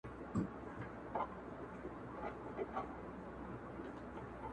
همدغه د ښکلا بیل معیارونه او تلې دي